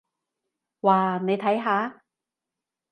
哇，你睇下！